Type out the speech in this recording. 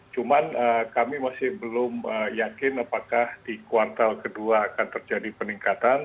cuman kami masih belum yakin apakah di kuartal kedua akan terjadi peningkatan